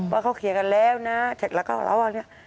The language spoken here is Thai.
ว่าเขาเคลียร์กันแล้วนะแล้วก็หลังไว้ว่าเขาไม่มีตังค์